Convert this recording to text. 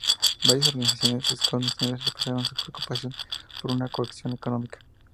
Varias Organizaciones Scout Nacionales expresaron su preocupación por esta coacción económica.